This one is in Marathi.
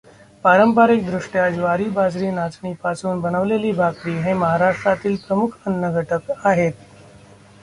पारंपारीक दृष्ट्या ज्वारी बाजरी नाचणीपासून बनवलेली भाकरी हे महाराष्ट्रातील प्रमुख अन्न घटक आहे.